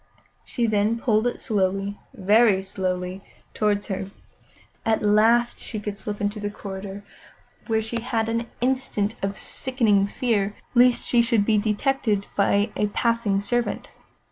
Then she pulled it slowly, very slowly, towards her. At last she could slip into the corridor, where she had an instant of sickening fear lest she should be detected by a passing servant.